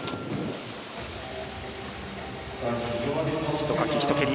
ひとかき、ひと蹴り。